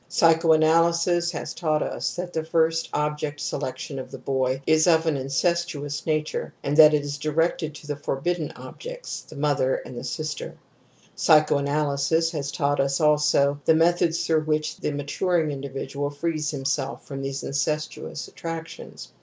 V Psychoanalysis has taught us that the first object selection of the boy is of an incestuous /nature and that it is directed to the forbidden ; objects, the mother and the sister ;)) pyscho analysis has taught us also the methods^ through which the maturing individual frees himself from these incestuous attractions.